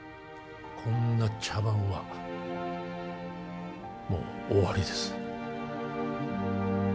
こんな茶番はもう終わりです